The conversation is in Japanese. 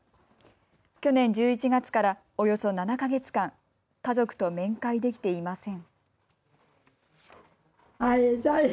去年１１月から、およそ７か月間、家族と面会できていません。